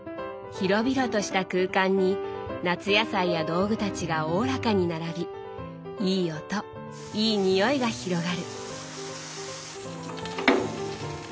広々とした空間に夏野菜や道具たちがおおらかに並びいい音いい匂いが広がる。